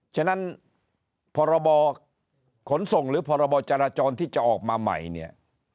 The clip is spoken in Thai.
ฉะนั้นพรบขนส่งหรือพรบจราจรที่จะออกมาใหม่เนี่ย